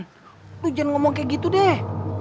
ya jangan ngomong kan gitu deh